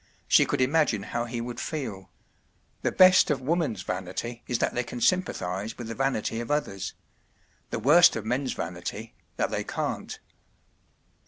She could imagine how he would feel. The best of woman’s vanity is that they can sympathize with the vanity of others ; tfj| worst of men’s vanity, that" tney can t.